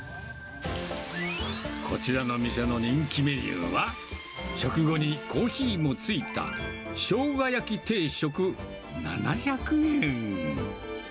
こちらの店の人気メニューは、食後にコーヒーも付いた生姜焼定食７００円。